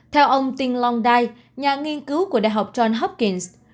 theo ông tien long dai nhà nghiên cứu của đại học john hopkins